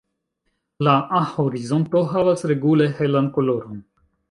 La A-horizonto havas regule helan koloron.